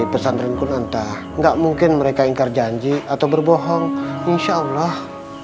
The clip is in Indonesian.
pesantren kunanta enggak mungkin mereka ingkar janji atau berbohong insyaallah